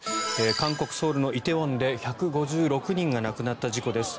韓国ソウルの梨泰院で１５６人が亡くなった事故です。